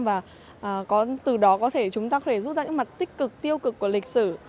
và từ đó chúng ta có thể rút ra những mặt tích cực tiêu cực của lịch sử